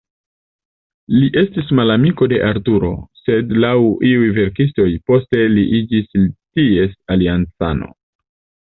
Li estis malamiko de Arturo, sed, laŭ iuj verkistoj, poste li iĝis ties aliancano.